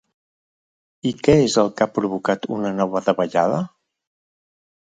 I què és el que ha provocat una nova davallada?